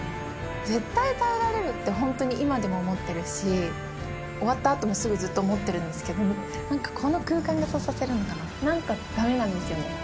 絶対耐えられるって、本当に今でも思ってるし、終わったあともすぐずっと思ってるんですけど、なんかこの空間がそうさせるのかな、なんかだめなんですよね。